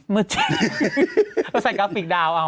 มืดจริงแล้วใส่กราฟปีกดาวเอา